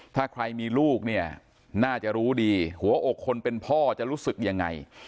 ถ้าใครมีลูกเนี่ยน่าจะรู้ดีหัวอกคนเป็นพ่อจะรู้สึกยังไง